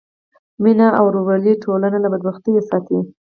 مینه او ورورولي ټولنه له بدبختیو ساتي.